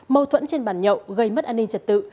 mâu thuẫn trên bàn nhậu gây mất an ninh trật tự